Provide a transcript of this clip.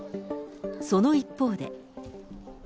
その一方で。